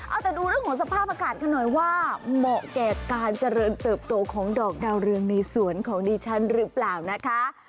เอาแต่ดูเรื่องของสภาพอากาศกันหน่อยว่าเหมาะแก่การเจริญเติบโตของดอกดาวเรืองในสวนของดิฉันหรือเปล่านะคะ